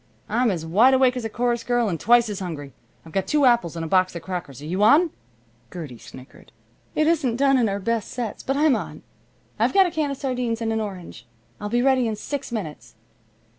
I'm as wide awake as a chorus girl and twice as hungry. I've got two apples and a box of crackers. Are you on?" Gertie snickered. "It isn't done in our best sets, but I'm on. I've got a can of sardines and an orange. I'll be ready in six minutes."